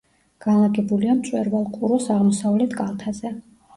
განლაგებულია მწვერვალ ყუროს აღმოსავლეთ კალთაზე.